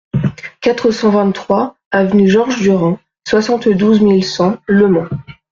quatre cent vingt-trois avenue Georges Durand, soixante-douze mille cent Le Mans